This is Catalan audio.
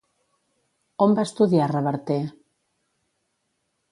On va estudiar Reverté?